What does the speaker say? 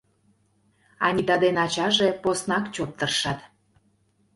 Анита ден ачаже поснак чот тыршат.